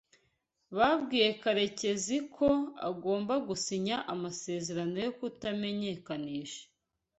Babwiye Karenzi ko agomba gusinya amasezerano yo kutamenyekanisha.